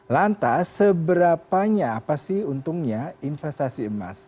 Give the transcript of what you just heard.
lantas seberapanya apa sih untungnya investasi emas